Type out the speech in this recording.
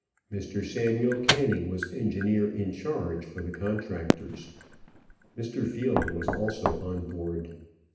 Mr. Samuel Canning was engineer in charge for the contractors. Mr. Field was also on board.